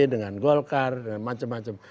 dengan golkar dan macam macam